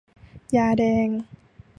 ยาแดง